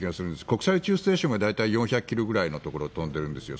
国際宇宙ステーションが大体４００ｋｍぐらいのところを飛んでるんですよ。